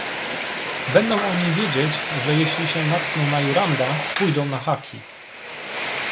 "Będą oni wiedzieć, że jeśli się natkną na Juranda, pójdą na haki."